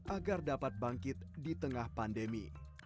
agar dapat bangkit di tengah pandemi